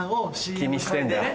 気にしてんだ。